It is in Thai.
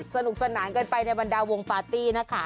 สนุกสนานเกินไปในบรรดาวงปาร์ตี้นะคะ